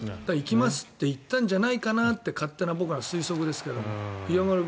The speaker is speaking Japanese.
行きますって言ったんじゃないかなって勝手な僕の推測ですけど。